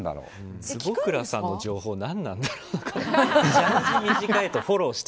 坪倉さんの情報、何なんだろう。